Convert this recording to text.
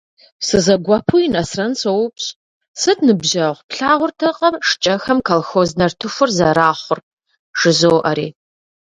Сызэгуэпуи Нэсрэн соупщӏ:- Сыт, ныбжьэгъу, плъагъуртэкъэ шкӏэхэм колхоз нартыхур зэрахъур? - жызоӏэри.